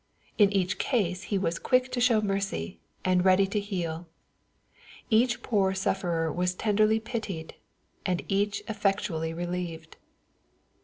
In eact case He was quick to show mercy, and ready to heal Each poor sufferer was tenderly pitied, and each effec tually relieved.